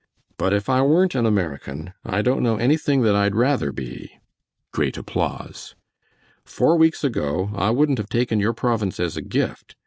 "But if I weren't an American, I don't know anything that I'd rather be." (Great applause.) "Four weeks ago I wouldn't have taken your province as a gift.